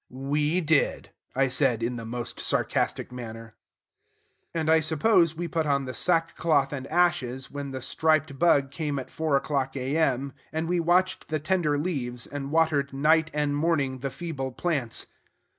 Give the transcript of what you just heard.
"We did!" I said, in the most sarcastic manner. And I suppose we put on the sackcloth and ashes, when the striped bug came at four o'clock A.M., and we watched the tender leaves, and watered night and morning the feeble plants.